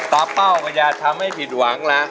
เป้าก็อย่าทำให้ผิดหวังนะ